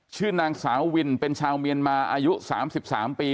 ชื่อนางสาววินเป็นชาวเมียนมาอายุ๓๓ปี